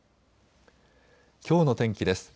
きょうの天気です。